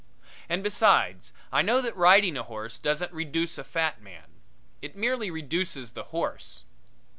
And, besides, I know that riding a horse doesn't reduce a fat man. It merely reduces the horse.